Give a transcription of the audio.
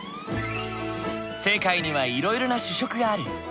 世界にはいろいろな主食がある。